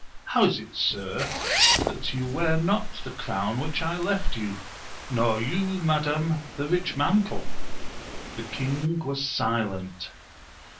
How is it, sir, that you wear not the crown which I left you; nor you, madam, the rich mantle ? The king was silent.